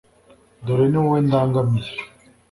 dore ni wowe ndangamiye